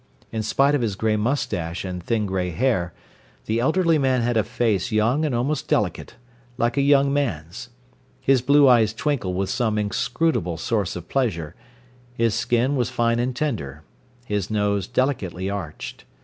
In spite of his grey moustache and thin grey hair, the elderly man had a face young and almost delicate, like a young man's. His blue eyes twinkled with some inscrutable source of pleasure, his skin was fine and tender, his nose delicately arched.